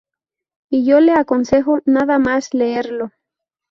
Y yo le aconsejo nada más leerlo.